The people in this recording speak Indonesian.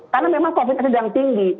karena memang covid nya sedang tinggi